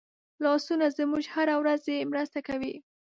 لاسونه زموږ هره ورځي مرسته کوي